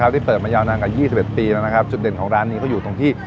ที่เปิดมายาวนานกับ๒๑ปีจุดเด่นของร้านอยู่ตรงที่